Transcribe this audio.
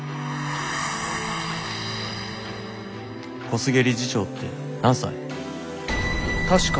「小菅理事長って何歳？」。